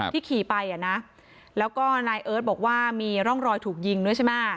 ขี่ไปอ่ะนะแล้วก็นายเอิร์ทบอกว่ามีร่องรอยถูกยิงด้วยใช่ไหม